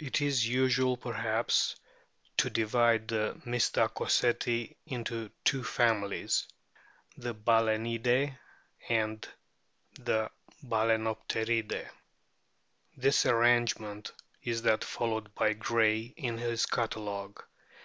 It is usual, perhaps, to divide the Mystacoceti into two families : the Balaenidae and the Balsenopteridae, This arrangement is that followed by Gray in his Catalogue.